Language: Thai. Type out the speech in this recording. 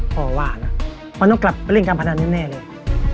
พ่อว่านะมันต้องกลับไปเล่นการพนันแน่เลย